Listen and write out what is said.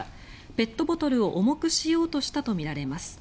ペットボトルを重くしようとしたとみられます。